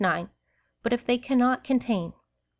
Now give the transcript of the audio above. But if they cannot contain.